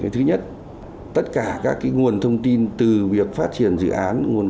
thứ nhất tất cả các nguồn thông tin từ việc phát triển dự án